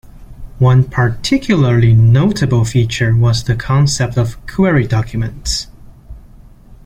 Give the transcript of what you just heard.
One particularly notable feature was the concept of "query documents".